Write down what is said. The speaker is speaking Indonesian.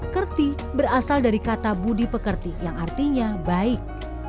kerti berasal dari kata budi pekerti yang artinya baik